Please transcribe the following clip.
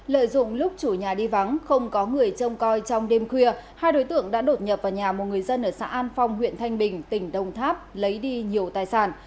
lợi dụng lúc chủ nhà đi vắng không có người trông coi trong đêm khuya hai đối tượng đã đột nhập vào nhà một người dân ở xã an phong huyện thanh bình tỉnh đồng tháp lấy đi nhiều tài sản